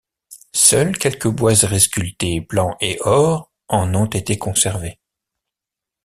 Seules quelques boiseries sculptées blanc et or en ont été conservées.